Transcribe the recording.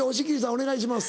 お願いします。